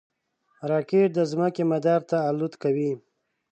راکټ د ځمکې مدار ته الوت کوي